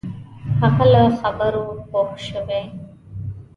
هغه له خبرو پوه شوی.